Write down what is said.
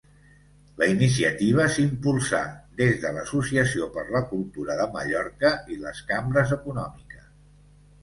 La iniciativa s'impulsà des de l'Associació per la Cultura de Mallorca i les cambres econòmiques.